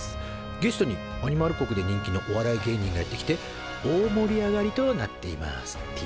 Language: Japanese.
ゲストにアニマル国で人気のお笑い芸人がやって来て大盛り上がりとなっていますＴ！